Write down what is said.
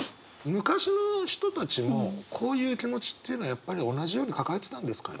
昔の人たちもこういう気持ちっていうのはやっぱり同じように抱えてたんですかね？